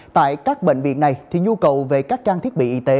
tại các bệnh viện này nhu cầu về các trang thiết bị y tế